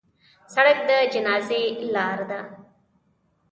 سړک د جنازې لار ده.